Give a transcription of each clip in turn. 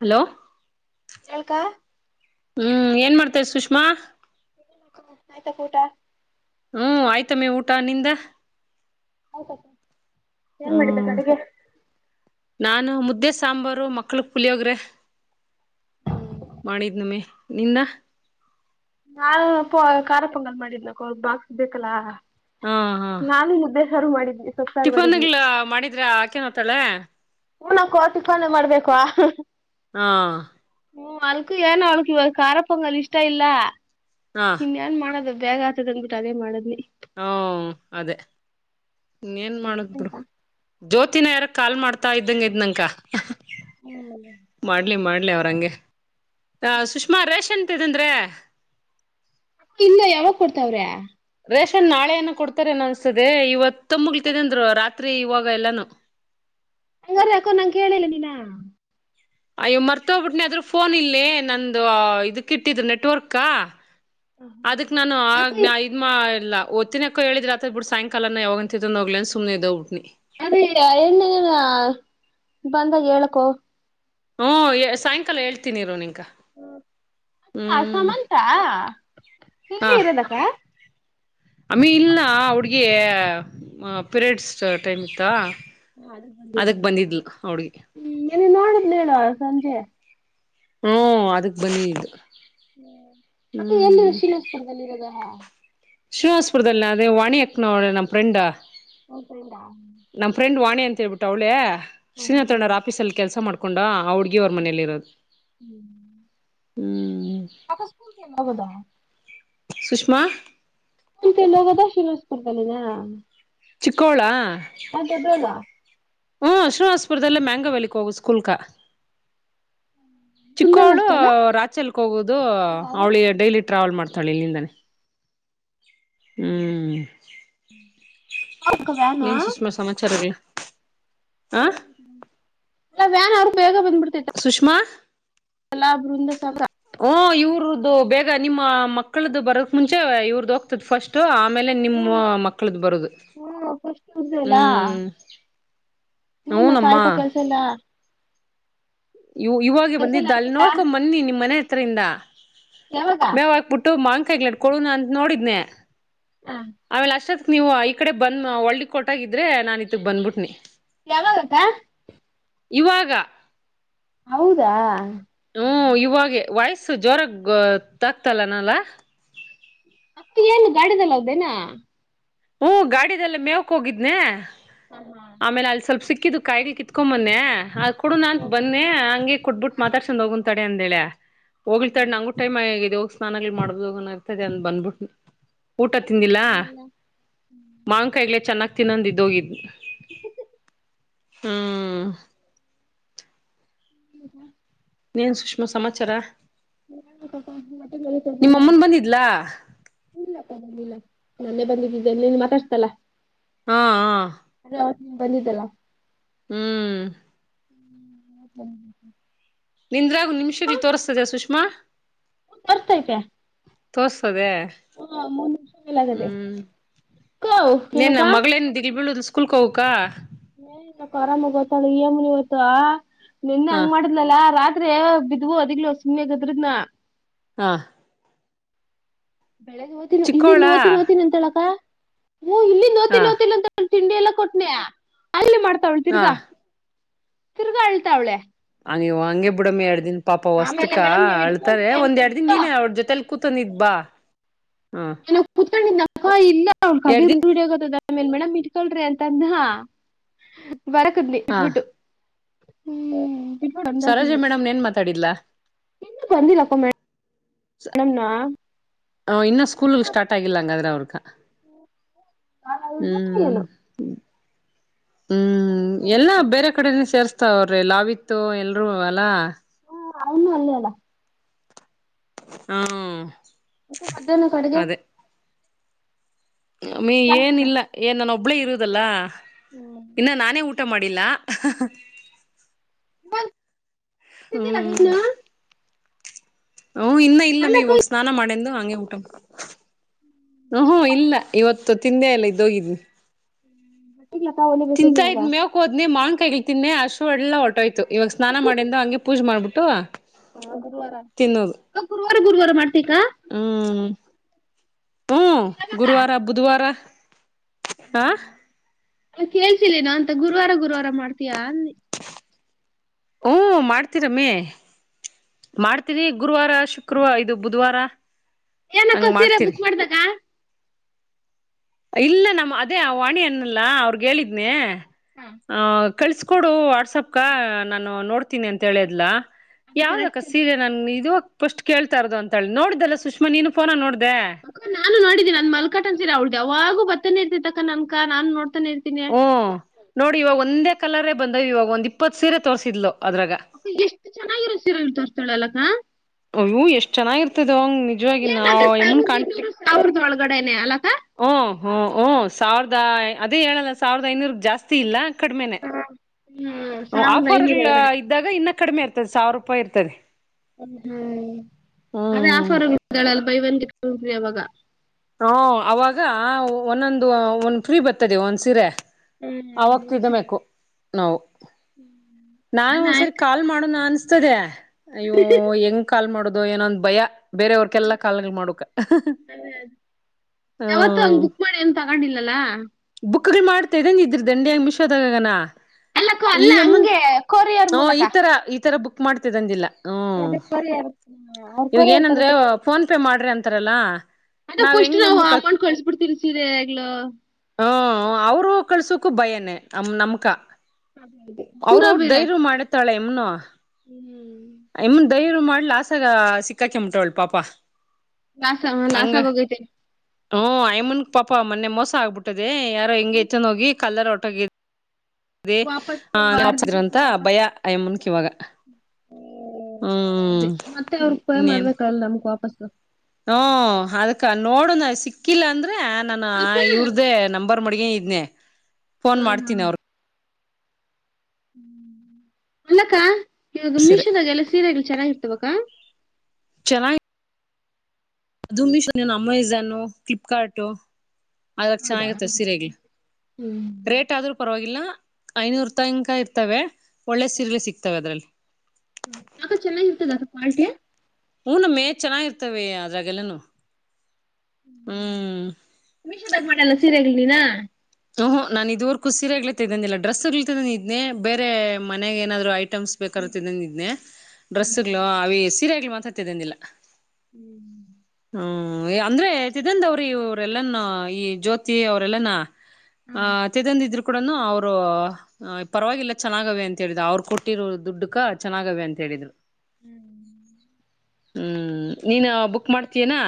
Hello ಹೇಳ್ಕ. ಹ್ಮ್ ಏನ್ ಮಾಡ್ತೈ ಸುಷ್ಮಾ. ಆಯ್ತಾಕ ಊಟ. ಹ್ಮ್ ಆಯ್ತಮ್ಮಿ ಊಟ ನಿಂದ. ಆಯ್ತತ ಏನ್ ಮಾಡಬೇಕು ಹ್ಮ್ ಅಡುಗೆ ನಾನು ಮುದ್ದೆ ಸಾಂಬಾರು ಮಕ್ಳಕ್ ಪುಲಿಯೋಗ್ರೆ ಮಾಡಿದ್ ನಮ್ಮಿ ನಿಂದ ನಾ ಪ ಖಾರ ಪೊಂಗಲ್ ಮಾಡಿದಲಕ್ಕ ಅವ ಬಾಕ್ಸ್ ಬೇಕಲ್ಲಾ ಹಾ ಹಾ ಹು ಮಾಡಿದವಿ ಟಿಫನ್ಗ್ ಮಾಡಿದ್ರ ಆಕೆನ್ ಹೊತಾಳೆ ಹೂನ ಕೋತಿ ಕೊನೆೆ ಮಾಡ್ಬೇಕು ಹಾ ಹ್ಮ ಅಲ್ಕು ಏನ ಅವಳಕ್ ಇವಾಗ ಖಾರಪ್ಪಂಗಲ್ ಇಷ್ಟ ಇಲ್ಲ ಹಾ ಇನ್ ಏನ್ ಮಾಡದ ಬೇಗ ಆತದಂದ್ಬಟ್ಟು ಅದೇ ಮಾಡದ್ ಹಾ ಅದೇ [unintelligible] ಇ ಏನ್ ಮಾಡಕ್ ಬಿಡು ಜ್ಯೋತಿನ ಯಾರ ಕಾಲ್ ಮಾಡ್ತಾ ಇದ್ದಂಗ ಇದ್ಂಕ ಮಾಡ್ಲಿ ಮಾಡ್ ಅವ್ರಂಗೆ ಸುಷ್ಮಾ ರೇಷನ್ ಅಂತ ಅಂದ್ರೆ ಇಲ್ಲ ಯಾವಾಗ ಕೊಡ್ತಾವ್ರೆ ರೇಷನ್ ನಾಳೆಏನ ಕೊಡ್ತಾರೆನ ಅನ್ಸತದೆ ಇವತ್ತು ಮುಗ್ತಿದೆ ಅಂದ್ರು ರಾತ್ರಿ ಇವಾಗ ಎಲ್ಲಾನು ಹಂಗಾರ ಯಕೋ ನಂಗೆ ಕೇಳಿಲ್ಲ ನೀನ ಅಯ್ಯೋ ಮರ್ತೋಗ್ಬಿಟ್ನಿ ಅದ್ ಫೋನ್ ಇಲ್ಲೇ ನಂದು ಇದಕ್ಕ ಇಟ್ಟಿದ್ರು ನೆಟ್ವರ್ಕ ಅದಕ್ ನಾನು ಅದೇ ಆ ಇದ್ಮ ಇಲ್ಲ ತ್ತಿನಕ್ಕ ಹೇಳಿದ್ರತ್ರ ಬಿ ಸಾಯಂಲನ ಯಾವ ಅಂತ ಹೋಗ್ ಅ ಸುನೆ ಇದ [unintelligible] ಅದೇ ಎ ಬಂದ ಹೇಳಕೊ ಹ್ಮ ಸಾಯಂಕಾಲ ಹೇಳ್ತೀನಿರ ನಿ ಹ ಸಮಂತ ಇಲ್ಲಿ ಇರೋದಕ್ಕ ಅಮಿ ಇಲ್ನಾ ಹಡ್ಗ ಪಿರಿಯಡ್ಸ್ ಟೈಮ್ ಇತ್ತ ಹ ಹ್ಮ ಮ ನೋಡುದ್ ಹೇಳುವ ಸಂಜೆ ಹ್ಮ ಅದಕ್ ಬನಿ ಇ [unintelligible] ಹ್ಮ ಮತ್ತೆ ಎಲ್ಲಿರೋ ಶಿವೋಜಪುಂಗದಲ್ಲಿ ಇರೋದಹ ಶಿವಾಸಸ್ಪುರದಲ್ಲಿ ಅದೇ ವಾಣಿಯಕ್ ನೋ ನಮ್ಮ ಫ್ರೆಂಡ ಹ ಸರಿರಾ [unintelligible] ನಮ್ ಫ್ರೆಂಡ್ ವಾಣಿ ಅಂತ ಹೇಳ್ಬಿಟ್ಟು ಅವ್ಳೇ ಶ್ರೀನಾತಣರ ಆಪಸಲ್ಲಿ ಕೆಲಸ ಮಾಡ್ಕು ಹಕೊಂಡಾ ಹ್ಮ್ ಅಕ್ಕ ಸ್ಕೂಲ್ ಟೈಮ್ ಸುಷ್ಮಾ ಲದ ಶಿವನಸ್ಪುರ [inaudible] ಚಿಕ್ಕೋಳ ಆ ದೊಡ್ಡವಳ ಹ್ಮ ಶ್ರೀನಿವಾಸಪುರದಲ್ಲೇ ಮ್ಯಾಂಗಾವಲಿಕ್ ಹೋಗುವ ಸ್ಕುಲ್ಕ ಕುಂದಲ್ ಚಿಕ್ಕೋಳು ಅಷ್ಟಲ್ಲ ರಾಚಲ್ಕ್ ಹೋಗೋದು ಅವ್ಳಿ ಅವ್ರಕ ಡೈಲಿ ಟ್ರಾವೆಲ್ ಮಾಡ್ತ ತಳಿಂದ [inaudible] ಹ್ಮ್ ವ್ಯಾನು ನೀನ್ ಅಲ್ಲ ಸುಷ್ಮಾ ಸಮಾಚಾರ ಆ ಇಲ್ಲ ವ್ಯಾನ್ ಅವ್ ಸುಷ್ಮಾ ಅಲಾ ಬೃಂದ ಸಾಬ್ರಾ ಹೂ ಇವ್ರದ್ದು ಬೇಗ ನಿಮ್ಮ ಮಕ್ಕಳ್ದು ಬರಕ್ ಮುಂಚೆ ಇವ್ರದ್ದು ಹೋಗ್ತದ ಫಸ್ಟ್ ಆಮೇಲೆ ನಿಮ್ಮ ಹ್ಮ್ ಮಕ್ಕಳ್ದ ಬರುದು ಹ್ಮ್ ಫಸ್ಟ್ ಇರ್ದಲ್ಲ ಹ್ಮ್ ಇನ್ನೇನಕ್ಕ ಹೂನಮ್ಮಾ ಆಯ್ತಾ ಕೆಲ್ಸ ಎಲ್ಲ ಇವಾಗ ಕೆಲ್ಸ ಎಲ್ಲ ಬಂದಿದ್ದ ಅಲ್ಲಿ ಆಯ್ತಕ್ಕ ನೋಡ್ಕೊಂಡ್ ಮನ್ನಿ ನಿಮ್ಮ್ ಮನೆ ಹತ್ರರಿಂದ ಯಾವಾಗ ಮೇವ್ ಹಾಕ್ಬಿಟ್ಟು ಮಾಂ ಗ್ಲಟ್ಕೊಳ್ಳಣ ಅಂತ ನೋಡಿದ್ನೆ ಆಮಲೆ ಅಷ್ಟೇ ನೀವು ಈ ಕಡೆ ಬಂದ ಒಳ್ಳಿ ಕೊಟಾಗಿದ್ರೆ ನಾನ ಇತ್ಗ್ ಬಂದ್ಬಿಟ್ನಿ ಯಾವಾಗಾಕ್ಕ ಇವಾಗ ಹೌದಾ ಹ್ಮ ಇವಾಗೆ ವಯಸ್ಸು ಜ್ರಾಗ ತಕ್ತಲ್ಲನಲ್ಲ ಅಕ್ಕ ಏನು ಗಾಡಿದಲ್ಲ್ದೇನಾ ಹೂ ಗಾಡಿದಲ್ಲ ಮೇವಕ್ ಹೋಗಿದ್ನನೆ ಆಮೇಲೆ ಅಲ್ಲಿ ಸ್ವಲ್ಪ ಸಿಕ್ಕ ಕಿದು ಕಾಯಿಗುಳ್ ಕಿತ್ಕೊಮನ್ನೆ ಕೊಡು ನ ಅಂತ ಬನ್ನೆ ಹಂಗೆ ಕೊಟ್ಬಿಟ್ಟು ಮಾತಾಡ್ಸೊಂಡ ಹೋಗು ತಡೆ ಎಂದಳ ಹೋಗಿಲ್ತಾ ನಂಗೂ ಟೈಮ್ ಆಗಿದು ಸ್ನಾನಗಳ್ ಮಾಡಬ ಹೋಗನ ಇರ್ತದೆ ಅ ಬಂದ್ಬಿಟ್ ಊಟ ತಿಂದಿಲ್ಲ ಮಾವ್ಕಾಯಿಗ್ಲೆ ಚೆನ್ನಾಗ್ ತ್ತನ್ನೊಂದಿದ್ದ ಹೋಗಿದ್ದ್ ಹ್ಮ್ ಹ ನೀನ್ ಸುಷ್ಮಾ ಸಮಾಚಾರ ನ ಕಪ ಮತ್ತ ಇಲ್ಲಕ್ಕ ನಿಮ್ಮಮ್ಮನ್ ಬಂದಿದ್ಲಾ ಬಿಲ್ಲ [unintelligible] ನನ್ನೆ ಬಂದಿದ್ದಿದ್ದೆನ್ನನ್ ಮಾತಾಡ್ತಲ್ಲಾ ಹಾ ಹಾ. ಹ್ಮ ಬಂದಿದ್ದಲ್ಲ. ಹ್ಮ್ [unintelligible] ನಿಂದ್ರಾಗು ನಿಮ್ಷದಲ್ ತೋರುಸ್ತಿದ್ಯ ಸುಷ್ಮಾ. ಹು ತೋರುಸ್ತೈತೆ. ತೋರ್ಸ್ತದೆ. ಹ ಮಾ ಫೀಲ್ ಆಗದೆ ಹ್ಮ್ ಕೌ ಇನ್ನೇನ್ ಏನಕ್ಕ. ನಮ್ ಮಗಳೇನ್ ದಿಲ್ ಬೀಳುದ್ ಸ್ಕೂಲ್ಕ್ ಕೌ ಕಾ. ಏನಿಲ್ಲ ಅಕ್ಕ ಆರಾಮಾಗ್ ಒತಾಳ್ ಇ ಯಮ್ಮನ್ ಇವಾಗ. ನಿನ್ನೆ ಹ ಹಂಗ್ ಮಾಡ್ದಲಲ ರಾತ್ ಆದ್ರೆ ಬಿದ್ವು ವದಿಗ್ಲು ಸುಮ್ನೆ ಗದ್ರದ್ನ. ಹಾ ಬೆಳೆಗ್ಗೆ ಹೊತಿದ್ಲು ಇಲ್ಲಿಂದ್ ಚಿಕ್ಕೋಳಾ ಒತೀನಿ ಒತೀನಿ ಅಂತಿದ್ಲ ಅಕ್ಕ. ಹ್ಮ್ ಇಲ್ಲಿಂದ್ ಒತಿನ್ ಹ ಒತಿ ಅಂದೋಳ್ ತಿಂಡಿ ಎಲ್ಲ ಕೊಟ್ನೆ ಅಲ್ಲಿ ಮಡ್ ತೌಳ್ ಹ ತಿರ್ಗಾ. ತಿರ್ಗಾ ಅಳ್ತಾವ್ಳೆ. ಹಂಗ್ ನೀವ್ ಹಂಗೆ ಬಿಡಮ್ಮಿ ಎಡ್ದಿನ್. ಪಾಪ ಆಮೇಲೆ ಹೊಸ್ತಕ ಮೇಡಮ್ ನೀವ್ ಅಳ್ತಾರೆ ಇಡ್ಕೊಳ್ರಿ ಅಂತ ಒಂದ್ ಎರಡ್ ದಿನ್ ಹೇಳ್ಬಿಟ್ಟು ನೀನೇ ಅವ್ರ ಜೊತೆಲ್ ತುತು ನಿದ್ ಬಾ. ಹ ನಾನು ಕುತ್ಕೊಂಡಿದ್ನ [unintelligible] ಎರಡ್ ದಿನ್ ಮೇಡಂ ಇಲ್ ಕುತ್ಕೊಳ್ರಿ ಅಂತಂದ. ಬರಕುದ್ನಿ ಹ ಬಿಟ್ಬಿಟ್ಟು. ಹ್ಮ ಸರೋಜ [unintelligible] ಮೇಡಮ್ ಏನ್ ಮಾತಾಡಿದ್ಲಾ ಇನ್ನು ಬಂದಿಲಪ್ಪ ಮ್ಯ ನಮ್ನ. ಅ ಇನ್ನು ಸ್ಕೂಲ್ಲ್ ಸ್ಟಾರ್ಟ ಆಗಿಲ್ಲ ಹಂಗಾದ್ರೆ ಅವ್ರು. ಕಾಯ್ ಅಯ್ ಬನ್ನಿ ಹ್ಮ್ ಎಲ್ಲೊ. ಹ್ಮ್ ಎಲ್ಲಾ ಬೇರೆ ಕಡೆನೆ ಸೇರ್ಸ್ ತಾವ್ರೆ ಲಾವಿತ್ತು ಎಲ್ರೂ ಅಲ. ಹು ಅವ್ನು ಅಲ್ಲೇ ಅಲಾ. ಹ್ಮ ಹುಕು ಮಧ್ಯಾಹ್ನಕ್ ಅಡ್ಗೆ. ಅಮಿ ಏನಿಲ್ಲ ಏನ್ ನಾನ್ ಒಬ್ ಒಬ್ಬಳೇ ಇರೋದಲ್ಲ ಇಲ್ಲ, ನಾನೇ ಊಟ ಊಟ ಮಾಡಿಲ್ಲ ಬಂ ತಿಂದಿಲ್ಲ ಹ್ಮ್ ಇನ್ನು ಹೂ ಇನ್ನ ಇಲ್ಲ ಅಮಿ, ಇವಾಗ ಸ್ನಾನ ಮಾಡೇನು ಹಂಗೆ ಊಟ ಉಹು, ಇಲ್ಲ ಇವತ್ತು ತಿಂದೇ ಇಲ್ಲ ದೋಗಿದೆ. ಹೊಲಿಬೇಕೇನ್ ತಿಂತಾ ಇವಾಗ ಇದ್ ಮೇವಕ ಹೋದ್ನೇ ಮಾವಿನಕಾಯಿ ತಿನ್ನೆ ಹಸಿವು ಎಲ್ಲ ಹೊಟೋಯ್ತು. ಇವಾಗ ಸ್ನಾನ ಮಾಡಿಂದ ಹಂಗೆ ಪೂಜೆ ಮಾಡ್ಬಿಟ್ಟು ಗುರುವಾರ. ತಿನ್ನೋದು ಗುರುವಾರ, ಗುರುವಾರ ಮಾಡ್ತಿಕಾ? ಹ್ಮ್ ಹ್ಮ್ ಗುರುವಾರ, ಬುಧವಾರ ಹಾ ಅ ಕೇಳ್ಸಿಲ್ಲೇನ ಅಂತ. ಗುರುವಾರ, ಗುರುವಾರ ಮಾಡ್ತೀಯ ಅಂದೇ ಹ್ಮ ಮಾಡ್ತೀರಮ್ಮಿ. ಮಾಡ್ತೀರಿ ಗುರುವಾರ, ಶುಕ್ರವಾರ, ಇದು ಬುಧವಾರ ಏನಕ್ಕ, ಹಂಗ್ ಸೀರೆ ಮಾಡ್ತೀರಿ ಬುಕ್ ಮಾಡ್ದ ಅಕ್ಕ? ಇಲ್ಲ. ನಮ್ಮ ಅದೇ ಆ ವಾಣಿ ಅಂದ್ನಲ್ಲ ಅವರಿಗೆ ಹೇಳಿದ್ನೆ ಹ ಕಳಿಸಿಕೊಡು ವಾಟ್ಸಾಪ್ಕ, ನಾನು ನೋಡ್ತೀನಿ ಅಂತ ಹೇಳಿದ್ಲ ಅದು ಯಾವ್ದಕ್ಕ ಕರೆಕ್ಟ್ ಸೀರೆ ನನ್ನ ಇದು ಫಸ್ಟ್ ಕೇಳ್ತಾ ಇರೋದ್ ಅಂತಾಳೆ. ನೋಡ್ದಲ್ಲ ಸುಷ್ಮಾ ನೀನು, ಫೋನ್ನಾಗ ನೋಡ್ದಲ್ಲ ಬ್ಯಾ ಅಕ್ಕ ನಾನು ನೋಡಿದ್ದೀನಿ ನನ್ ಮಲ್ಕಟನ ಸೀರೆ, ಅವಳುದು ಯಾವಾಗೂ ಬರ್ತಾನೆ ಇರ್ತದೆ ಅಕ್ಕ ನಮಕ. ನಾನು ನೋಡ್ತೀನಿ ಹ್ಮ ನೋಡಿ ಇವಾಗ ಒಂದೇ ಕಲರೇ ಬಂದಾವ್, ಇವಾಗ ಒಂದ್ ಇಪ್ಪತ್ ಸೀರೆ ತೋರಿಸಿದ್ಲು ಅಕ್ಕ ಎಷ್ಟು ಚೆನ್ನಾಗಿರ ಸೀರ ತೋರ್ಸ್ತಳಲ್ಲಕ್ಕ ಅವು ಎಷ್ಟ್ ಚೆನ್ನಾಗಿರ್ತದ ನಿಜವಾಗಿ ಏನ್ ಅದೇ ನಾವ್ ಆಯಮ್ಮನ್ ಸಾವಿರದ ಇನ್ನೂರು ಕಾಂಟೆಕ್ಟ್. ಸಾವಿರದ ಒಳಗಡೆನೆ ಅಲ್ಲಕ್ಕ ಹೂ, ಹೂಹೂ ಸಾವಿರದ ಅದೇ ಹೇಳಲ್ಲ, ಸಾವಿರದ ಐನೂರು ಜಾಸ್ತಿ ಇಲ್ಲ ಕಡಿಮೆನೆ ಹ್ಮ್ ಸಾವಿರದ ಆಫರ್ ಐನೂರ್ ಎಲ್ಲ ಒಳಗಡೆ ಇದ್ದಾಗ ಇನ್ನ ಕಡ್ಮೆ ಇರ್ತದೆ ಸಾವ್ರ ರೂಪಾಯ್ ಇರ್ತದೆ. ಹ ಹ್ಮ್ ಅದೇ ಹ್ಮ ಆಫರುಗುಳಲ್ buy one get two free ಅವಾಗ. ಹಾ ಅವಾಗ ಒಂದೊಂದು ಒಂದ್ ಫ್ರೀ ಬರ್ತದೆ ಒಂದ್ ಸೀರೆ. ಹ್ಮ್ ಒನ್ಶಿಕ್. ನೌ ನಾನು ಒಂದ್ಸರಿ ಯಾಕಂದ್ರೆ ಕಾಲ್ ಮಾಡೋಣ ಅನ್ಸ್ ಸದ್ಯ. ಅಯ್ಯೋ ಹೆಂಗ್ ಕಾಲ್ ಮಾಡೋದ್ ಗೋ ಏನೊಂದ್ ಭಯ. ಬೇರೆಯವ್ರಕೆಲ್ಲಾ ಕಾಲ್ಗಳ್ ಮಾಡುಕ. ಯಾವತ್ತು ಹಂಗ್ ಬುಕ್ ಮಾಡಿ ಏನ್ ತಗಂಡಿಲ್ಲಲ್ಲ. ಬುಕ್ಗಳು ಮಾಡ್ತಾ ಇದ್ದನ್ ಇದ್ರದೆ. ಅಂಡೆ ಮಿಷೋದಗಗನ. ಅಲ್ಲಕ್ಕೋ ಅಲ್ಲ ಹಂಗೆ ಕೊ ಹು ಈ ತರ ಇ ಈ ತರ ಬುಕ್ ಮಾಡ್ತಿತದ್ ಅಂದಿಲ್ಲ. ಅದ್ರ ಕೊರಿ ಅವ್ರ ಕೊರಿ ಅಂತನ್ ತಲೆ ಚೆಚ್ಚಿ. ತರಲಾ. ಅದ ಫಸ್ಟು ನಾವು ಅಮೌಂಟ್ ಕಳ್ಸ್ಬುಡ್ತಿರ್ ಸೀರೆಗ್ಳು. ಕಳ್ಸುಕು ಭಯನೇ ಅಮ್ ನಮ್ಕ. ಕುರ ಧೈರ್ವ ಮಾಡುತ್ತಾಳೆ. ಹ್ಮ್ ನು. ಆಯ್ಮನ್ ಧೈ ರ್ ಮಾಡ್ ಲಾಸಾಗ ಸಿಕ್ಕಾಕಿ ಮುಟೊಳ್ ಪಾಪ ಲಾಸ್ ಲಾಸ್ ಅಂಗ ಆಗೋಗೈತೆ ಹ್ಮ ಅಯ್ಮಾನ್ ಪಾಪ್ ಪ ಮೊನ್ನೆ ಮೋಸ ಆಗ್ಬಿಟ್ಟದೆ. ಯಾರೋ ಹಿಂಗೆ ಹೆಚ್ಚನ್ ಹೋಗಿ. ಕಲ್ಲರ್ ಒಟೋಗಿ ವಾಪಸ್ ಆರ್ದ್ ಬಿಟ್ಟು ವಾಪಸ್ ಭಯ ಅಯಮ್ಮನ್ಕ್ ಇವಾಗ ಹುಂ ಹ್ಮ್ ದೆ ಮತ್ತೆ ಅವ್ರ್ [unintelligible] ಮಾಡ್ಬೇಕಲ್ ವಾಪಾಸ್. ಅ ಹ್ಮ ಅದಕ ನೋಡುನ ಸಿಕ್ಕಿಲ್ಲ ಅಂದ್ ನಾನ ಅಕ್ಕ ಇವ್ರ್ದೇ ನಂಬರ್ ಮಡ್ಗೆ ಇದ್ನನೆ. ಫೋನ್ ಮಾಡ್ತೀನಿ ಅವ್ರ್. ಹ್ಮ್ ಅಲ್ಲಕ್ಕ. ಇವಾಗ ಸಿರೆ ಮಿಶೋದಾಗ್ ಎಲ್ಲ ಸೀರೆಗಳ್ ಚನ್ನಾಗಿರ್ ತಿವಕ್ಕ. ಚೆನ್ನಾಗ್. ಅದು ಮೀಶೋ ಅಮೈಜೋನು ಫಿಲ್ಪ್ಕರ್ಟು. ಅದ್ರಗ್ ಚೆನ್ನಾಗಿರುತ್ತೆ ಸೀರೆಗಳ್ ಹ್ಮ್ ರೇಟ್ ಆದ್ರೂ ಪರ್ವಾಗ್ ಇಲ್ಲ ಐನೂರ್ ತಂಕ ಇರ್ತವೆ. ಒಳ್ಳೆ ಸೀರ್ಗಳೆ ಸಿಗ್ತವೆ ಅದ್ರಲ್ಲಿ. ಅಕ ಚೆನ್ನಾಗಿರ್ತದಕ ಕ್ವಾಲಿಟಿ. ಹು ನಮ್ಮಿ ಚೆನ್ನಾಗಿರ್ತವೆ ಅದ್ರಾಗೆಲ್ಲನು. ಹ್ಮ್ ಮೀಶೋದಾಗ್ ಮಾಡಲ್ಲ ಸೀರೆಗಳ್ ನೀನು. ಹ್ ಹು ನಾನ್ ಇದುವರ್ಕು ಸೀರೆಗಳೆ ತಿನನ್ದಿಲ್ಲ ಡ್ರೆಸ್ರ್ಲಗಳ್ ಇದ್ನೆ ಬೇರೆ ಮನೆಗ್ ಏನಾದ್ರು ಐ ಟ್ಸ್ಮ್ ಬೇಕಾರು ತಿನಂದಿದ್ನೇ ಡ್ರೆಸ್ಗಳು ಅವಿ ಸೀರೆಗ್ಳ್ ಸತಿನಂದಿಂದಿಲ್ಲ. ಹ್ಮ್ ಹ್ಮ್ ಅಂದ್ರೆ ತಿದ್ದಂದ್ ಅವ್ರಿ ಇವ್ರಲ್ಲಾನ ಈ ಜ್ಯೋತಿ ಅವ್ರೆಲ್ಲಾನ. ಹ ತಿದಂದಿದ್ರು. ಕೂಡನು ಅವ್ರು ಪರ್ವಾಗಿಲ್ಲ ಚೆನ್ನಾಗವೇ ಅಂತ ಹೇಳಿದ್ ಅವ್ರು ಕೊಟ್ಟಿರೋ ದುಡ್ಡುಕ ಚೆನ್ನಾಗವೆ ಅಂತ ಹೇಳಿದ್ರು. ಹ್ಮ್ ಹ್ಮ್. ಹ್ಮ್ ನೀನ ಬುಕ್ ಮಾಡ್ತಿಯನಾ.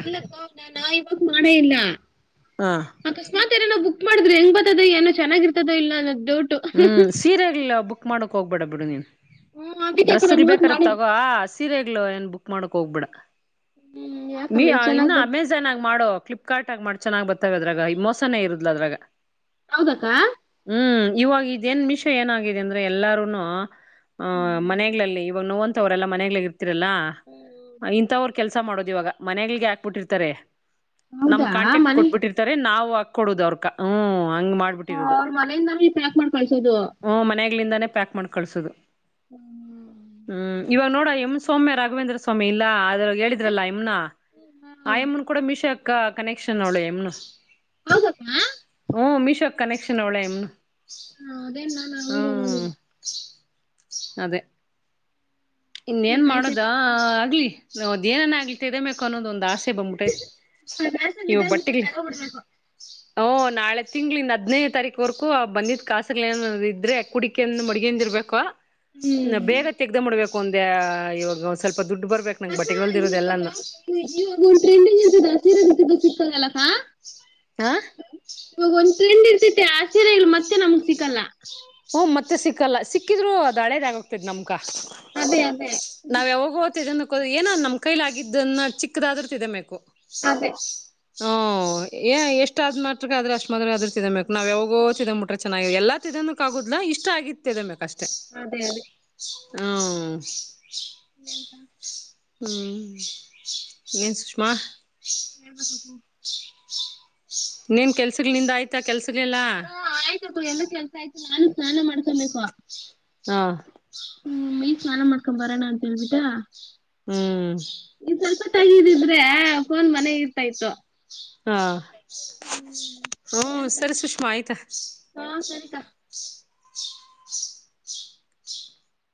ಇಲ್ಲಕ್ಕೂ ನಾ ಇವಾಗ್ ಮಾಡೇ ಇಲ್ಲ ಹ ಅಕಸ್ ಯ ತರೇನೋ ಬುಕ್ ಮಾಡಿದ್ರ ಹೆಂಗ ಬತದ ಏನೋ ಚೆನಾಗಿರ್ತದ ಇಲ್ಲದ್ ಅ ಹ್ಮ್ ಸೀರೆಗಲ್ ಬುಕ್ ಮಾಡು ಕೊಗ್ಬೇಡ ಬಿಡು ನೀನ್. ಹ್ಮ್ ಅದಕ್ಕೆ ಅಕ್ಕ ನಾನ್ ಡ್ರೆಸ್ಗುಲ್ ಇವಾಗ್ ಬೇಕರೆ ಮಾಡೇ ತಗೋ ಅ ಸಿ ಸೀರೆಗ್ಲೂ ಏನ್ ಬುಕ್ ಮಾಡಕ್ ಹೋಗ್ಬೇಡ. ಹ್ಮ್ ಮಿ ಯಾಕಮೇಲ್ ಇನ್ನ ಚೆನ್ನಾಗ್ ಬಂತು ಅಮೆಜಾನ್ ಆಗ್ ಮಾಡು ಕ್ಲಿಪ್ ಫ್ಲಿಪ್ಕಾರ್ಟ್ ಆಗ್ ಮಾಡ್ ಚೆನ್ನ್ ಬರ್ತವೆ ಅದ್ರಾಗ ಈ ಮೋಸನೇ ಇರದ್ಲ ಅದ್ರಗ. ಹೌದಕ್ಕ. ಇವಾಗ ಇದೇನ್ ಮಿಶೋ ಏನಾಗಿದೆ ಅಂದ್ರೆ ಎಲ್ಲಾರುನು. ಹ ಮನೆಗ್ಳಲ್ಲಿ ಇವಾಗ್ ನೋನ್ ತೋವ್ರೆಲ್ಲ ಮನೆಗ್ಳಲ್ ತಿರಲ್ಲ ಅ ಇಂತವ್ರು ಕೆಲ್ಸ ಮಾಡ್ ಇವಗ ಮನೆಗ್ಳಿಗೆ ಹಾಕ್ಬಿಟ್ಟಿರ್ತಾರೆ. ನಮ್ ಹೌದಾ ಕಾಂಟ್ಯಾಕ್ಟ್ ಮನೆ ಕೊಟ್ಬಿಟ್ಟಿರ್ತಾರೆ ನಾವು ಕೊಡುದ್ ಅವ್ರಕ ಹ್ಮ್. ಹಂಗ್ ಹ ಮಾಡ್ಬಿಟ್ಟಿರೋದು ಅವ್ರ್ ಮನೆಯಿಂದನು ಇತೆ ಪ್ಯಾಕ್ ಮಾಡ್ಕಳ್ಸೋದು. ಹ್ಮ್ ಮನೆಗ್ಲಿಂದಾನೇ ಪ್ಯಾಕ್ ಮಾಡ್ ಕಳ್ಸೋದು. ಹ್ಮ್ ಇವಾಗ್ ನೋಡೋ ಎಮ್ ಸೊಮ್ಯ ರಾಘವೇಂದ್ರ ಸ್ವಾಮಿ ಇಲ್ಲ ಆದ್ರ್ ಹೇಳಿದ್ರಲ್ಲ ಅಎಮ್ನು ಹಾ ಆಯಮನ್ ಕೂಡ ಮೀಶೋ ಕ ಕನೆಕ್ಷನ್ ನೋಳ್ ಆ ಎಮ್ನು. ಹೌದಕ್ಕ ಹ ಹು ಮಿಶ್ ಕನೆಕ್ಷನ್ ಅವ್ಳೆ ಎಮ್ನು. ಹಾ ಅದೆನ್ ನಾನ್ ಅ ವೀಡಿಯೋ ಹ್ಮ್ ನೋಡಿಲ್ಲ. ಅದೇ. ಇನ್ನೇನ್ ಏನಕ್ಕ ಮಾಡೊದ ಆಯ್ತಾಯ್ತು ಆಗ್ಲಿ. ನೌದ ಏನನ ಆಗ್ಲಿ ತಿದೆಮೇಕ್ ಅನ್ನೋದೊಂದ್ ಅಸ್ ಸೆ ಬಂಬುಟ್ ಐವ್ ಫ್ಯಾಷನ್ ಇವ ಇದಾಗ್ಬಿಟ್ಟು ಬಟ್ಟೆಗ್ಳ್. ತಗೋಬಿಡ್ಬೇಕು ಓಹ ನಾಳೆ ತಿಂಗ್ಳ್ ಇನ್ ಹದ್ನನೇ ತಾರೀಕ್ ವರ್ಕೂ ಬಂದಿದ್ದ್ ಕಾಸಗಳ್ ಏನನ ಇದ್ರೆ ಕುಡಿಕಂದ್ ಮಡ್ಗಂದಿರ್ಬೇಕು. ನಾ ಹ್ಮ್ ಬೇಗ ತೆಗ್ದ ಮಾಡ್ಬೇಕ್ ಕೊಂದೆ ಇವಾಗ್ ಒನ್ ಸ್ವಲ್ಪ್ ಅಕ್ಕ ಇವಗ ಇವಾಗ ಒಂದು ಟ್ರೆಂಡಿಂಗ್ ಇತದ ಆ ಸೀರ ಜೊತೆ ಬ್ಲೌಸ್ ಸಿಕ್ಗಲಕ್ಕ. ಆ ಟ್ರೆಂಡ್ ಇರ್ತೈತೆ ಆ ಸೀರೆಗ್ಳು ಮತ್ತೆ ನಮ್ಗ್ ಸಿಕ್ಕಲ್ಲ. ಹ್ಮ ಮತ್ತೆ ಸಿಕ್ಕಲ್ಲ ಸಿಕ್ಕಿದ್ರು ಅದು ಹಳೇದು ಆಗೋಗತದ ನಮ್ಗ ಕಾ ನಾವು ಯಾವಾಗ ಒಗ್ತಿದ ಏನ ನಮ್ ಕೈಲ ಆಗಿದ್ದನ್ನ ಚಿಕ್ಕದಾದ್ರ ತಿದಬೇಕು ಅದೇ ಹ ಏ ಎಷ್ಟ್ ಆದ್ ಮಾತ್ರಗ ಆದ್ರ ಅಷ್ಟ್ ಮೊದ್ಲಗ ಅದ್ರ ತಿಂದಬೇಕು ನಾವ್ ಯಾವಾಗೋ ಚಿದಂಬಟ್ರೆ ಚೆನ್ನಗೆಲಾ ತಿದನ್ ಕಾಗುದ್ಲಾ ಇಷ್ಟ ಆಗಿದ ತಿಂದಂಬೆಕ್ ಅಷ್ಟ ಅದೇ ಅದೇ ಹ್ಮ [unintelligible] ಹ್ಮ್ ಏನ್ ಸುಷ್ಮಾ ಹೇಳ್ಬೇಕು. ನೀನ್ ಕೆಲ್ಸಗಳಿಂದ ನಿಂದ ಆಯ್ತಾ ಕೆಲ್ಸ ಗಳೆಲ್ಲ ಹಾ ಆಯ್ತಪ್ಪ ಎಲ್ಲ ಕೆಲ್ಸ ಆಯ್ತು ನಾನು ಸ್ನಾನ ಮಾಡ್ಕೊಂಬೇಕು ಹಾ ಸ್ನಾನ ಮಾಡ್ಕೊಂಡ ಬರೋಣ ಅಂತೇಳ್ಬಿಟಾ ಹ್ಮ್ ಇದ ಸ್ವಲ್ಪ ತಗಿರಿ ಇದ ಮತ್ತೆ ಫೋನ್ ಇರ್ತಾ ಇತ್ತು ಹಾ ಹ್ಮ ಸರಿ ಸುಷ್ಮಾ ಆಯ್ತಾ ಹಾ ಸರಿಕಾ. [unintelligible]